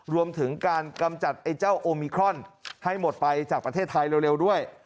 รวมถึงการกำจัดไอ้เจ้าโอมิครอนให้หมดไปจากประเทศไทยเร็วด้วย